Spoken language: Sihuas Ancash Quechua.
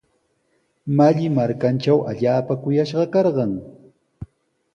Malli markantraw allaapa kuyashqa karqan.